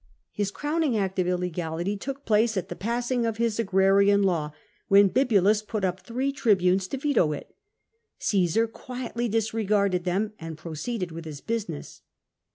His crowning act of illegality took place at the passing of his Agrarian law ; when Bibulus put up three tribunes to veto it, Caesar quietly disregarded them, and proceeded with his business.